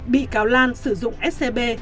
bị cáo lan sử dụng scb